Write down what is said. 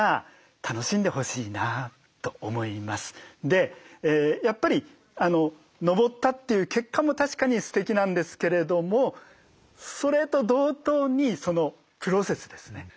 でやっぱり登ったという結果も確かにすてきなんですけれどもそれと同等にそのプロセスですね